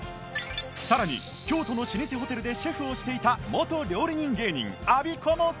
さらに京都の老舗ホテルでシェフをしていた元料理人芸人アビコも参戦！